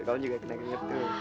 kamu juga keringet keringet tuh